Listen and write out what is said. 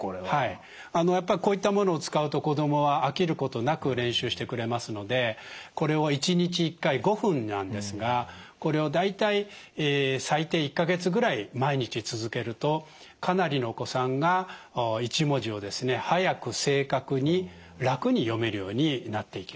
はいやっぱりこういったものを使うと子どもは飽きることなく練習してくれますのでこれを１日１回５分なんですがこれを大体最低１か月ぐらい毎日続けるとかなりのお子さんが１文字を速く正確に楽に読めるようになっていきます。